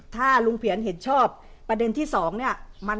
ถ้าลุงเพียรเห็นชอบประเด็นที่สองเนี่ย